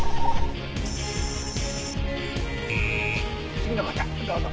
次の方どうぞ。